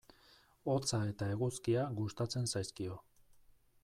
Hotza eta eguzkia gustatzen zaizkio.